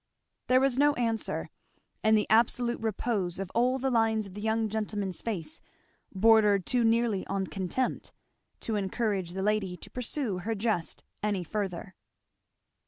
There was no answer, and the absolute repose of all the lines of the young gentleman's face bordered too nearly on contempt to encourage the lady to pursue her jest any further.